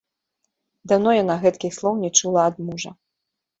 Даўно яна гэткіх слоў не чула ад мужа.